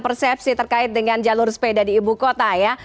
persepsi terkait dengan jalur sepeda di ibu kota ya